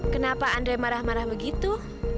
kenapa andre marah marah begitu